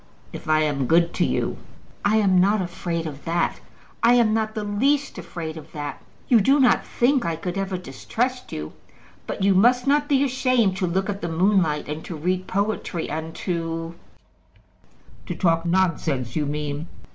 "If I am good to you." "I am not afraid of that; I am not the least afraid of that. You do not think that I could ever distrust you? But you must not be ashamed to look at the moonlight, and to read poetry, and to " "To talk nonsense, you mean."